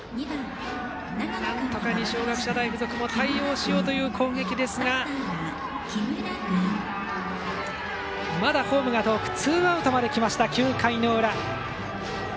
なんとか二松学舎大付属も対応しようという攻撃ですがまだホームが遠くツーアウトまできました、９回裏。